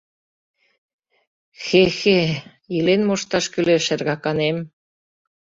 — Хе-хе, илен мошташ кӱлеш, шергаканем.